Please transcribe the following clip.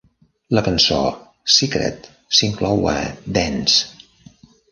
La cançó Secret s'inclou a Dance!